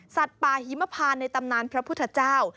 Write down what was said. ป่าหิมพานในตำนานพระพุทธเจ้า